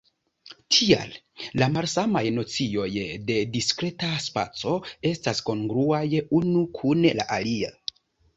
Tial, la malsamaj nocioj de diskreta spaco estas kongruaj unu kun la alia.